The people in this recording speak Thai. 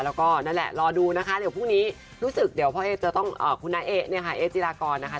แล้วก็นั่นแหละรอดูนะคะเดี๋ยวพรุ่งนี้รู้สึกเดี๋ยวพ่อเอ๊จะต้องคุณน้าเอ๊เนี่ยค่ะเอ๊จิรากรนะคะ